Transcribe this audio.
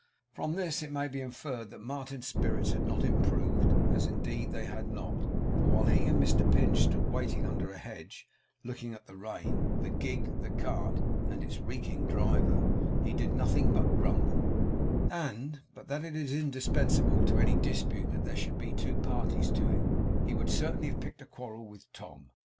From this it may be inferred that Martin's spirits had not improved, as indeed they had not; for while he and Mr Pinch stood waiting under a hedge, looking at the rain, the gig, the cart, and its reeking driver, he did nothing but grumble; and, but that it is indispensable to any dispute that there should be two parties to it, he would certainly have picked a quarrel with Tom.